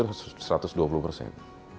satu ratus dua puluh persen